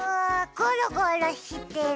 ゴロゴロしてる。